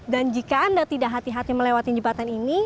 dan jika anda tidak hati hati melewati jembatan ini